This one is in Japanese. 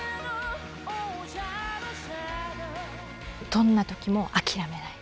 どんな時も諦めない。